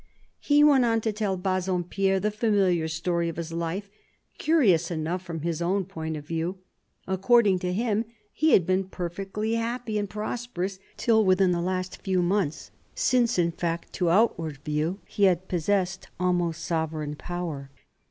He went on to tell Bassompierre the famihar story of his Hfe, curious enough from his own point of view. According to him, he had been perfectly happy and prosperous till within the last few months — since, in fact, to outward view, he had possessed almost sovereign power.